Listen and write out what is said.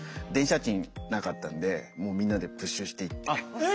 電車賃なかったんでもうみんなでプッシュして行って。